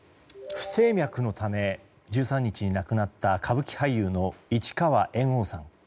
不整脈のため１３日に亡くなった歌舞伎俳優の市川猿翁さん。